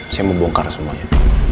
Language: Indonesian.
saya mau bongkar semuanya